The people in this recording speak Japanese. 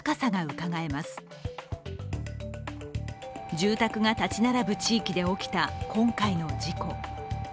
住宅が立ち並ぶ地域で起きた今回の事故。